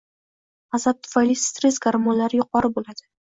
G’azab tufayli stress gormonlari yuqori bo‘ladi.